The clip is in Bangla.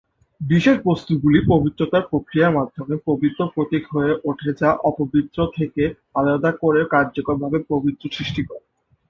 বিশেষ বস্তুগুলি পবিত্রতার প্রক্রিয়ার মাধ্যমে পবিত্র প্রতীক হয়ে ওঠে যা অপবিত্র থেকে আলাদা করে কার্যকরভাবে পবিত্র সৃষ্টি করে।